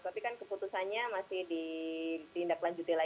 tapi kan keputusannya masih di tindak lanjutkan ya